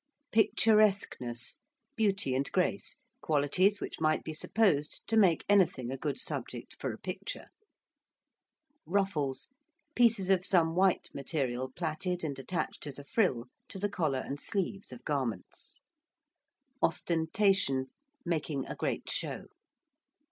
~picturesqueness~: beauty and grace; qualities which might be supposed to make anything a good subject for a picture. ~ruffles~: pieces of some white material plaited and attached as a frill to the collar and sleeves of garments. ~ostentation~: making a great show.